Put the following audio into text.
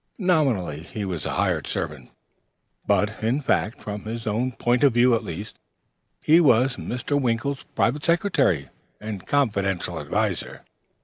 Nominally he was a hired servant, but, in fact, from his own point of view at least, he was Mr. Winkle's private secretary and confidential adviser.